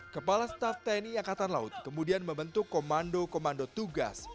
kepala staf tni angkatan laut kemudian membentuk komando komando tugas